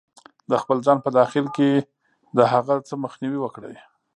-د خپل ځان په داخل کې د هغه څه مخنیوی وکړئ